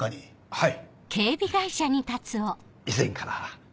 はい。